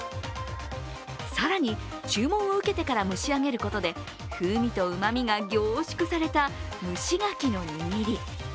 更に注文を受けてから蒸し上げることで、風味とうまみが凝縮された蒸しがきの握り。